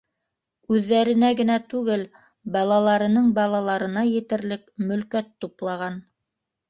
Үҙҙәренә генә түгел, балаларының балаларына етерлек мөлкәт туплаған.